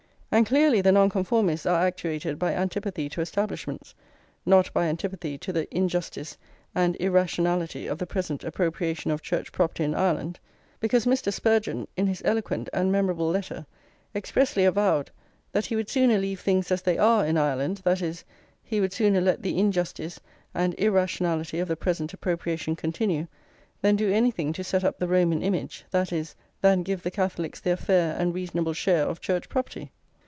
And clearly the Nonconformists are actuated by antipathy to establishments, not by antipathy to the injustice and irrationality of the present appropriation of Church property in Ireland; because Mr. Spurgeon, in his eloquent and memorable letter, expressly avowed that he would sooner leave things as they are in Ireland, that is, he would sooner let the injustice and irrationality of the present appropriation continue, than do anything to set up the Roman image, that is, than give the Catholics their fair and reasonable share of Church property.